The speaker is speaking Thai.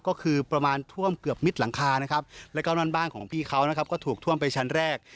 ก็คือประมาณท่วมเกือบมิดหลังคานะครับแล้วก็นั่นบ้านของพี่เขานะครับก็ถูกท่วมไปชั้นแรก